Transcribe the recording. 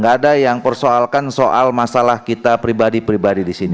tidak ada yang persoalkan soal masalah kita pribadi pribadi disini